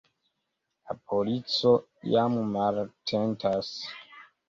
La polico jam malatentas.